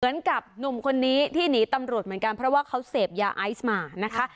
เหมือนกับหนุ่มคนนี้ที่หนีตำรวจเหมือนกันเพราะว่าเขาเสพยาไอซ์มานะคะ